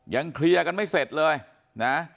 เคลียร์กันไม่เสร็จเลยนะ